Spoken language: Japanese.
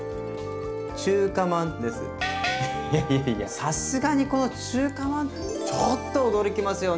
さすがにこの中華まんちょっと驚きますよね。